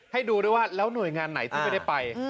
ให้ดูด้วยว่าแล้วหน่วยงานไหนที่ไม่ได้ไป